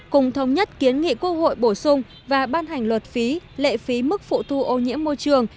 cùng thống nhất kiến nghị quốc hội bổ sung và ban hành luật phí lệ phí mức phụ thu ô nhiễm môi trường